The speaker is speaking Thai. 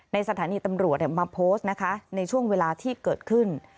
ในสถานีตำรวจมาโพสต์นะคะในช่วงเวลาที่เกิดขึ้น